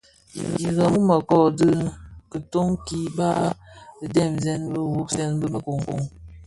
Irèmi wu mëkōň dhi kitoň ki bhan idhemzè bi gubsèn i mëkōň.